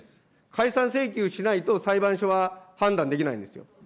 解散請求しないと、裁判所は判断できないんですよ。